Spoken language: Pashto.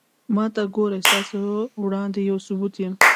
ما ته گورې ستاسو وړاندې يو ثبوت يم